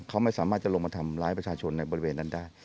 เขาไม่สามารถจะลงมาทำร้ายประชาชนในบริเวณนั้นได้